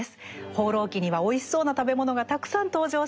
「放浪記」にはおいしそうな食べ物がたくさん登場します。